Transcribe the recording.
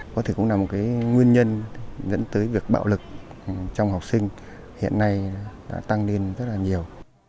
có thể cũng là một cái nguyên nhân dẫn tới việc bạo lực trong học sinh hiện nay đã tăng lên rất là nhiều